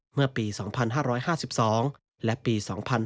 เมื่อปี๒๕๕๒และปี๒๕๕๙